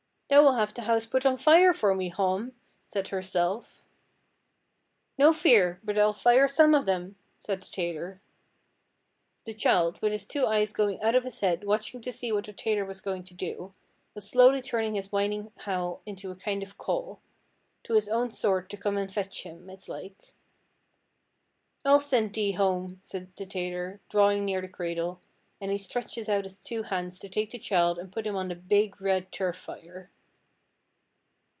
'Thou'll have the house put on fire for me, Hom,' said Herself. 'No fear, but I'll fire some of them,' said the tailor. The child, with his two eyes going out of his head watching to see what the tailor was going to do, was slowly turning his whining howl into a kind of call to his own sort to come and fetch him, it's like. 'I'll send thee home,' said the tailor, drawing near the cradle, and he stretches out his two hands to take the child and put him on the big, red turf fire.